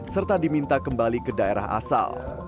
serta diminta kembali ke daerah asal